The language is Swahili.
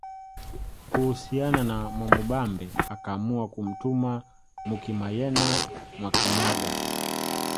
Kuhusiana na Mwamubambe akaamua kumtuma Mukimayena Mwakinyaga